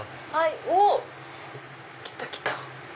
おっ！来た来た。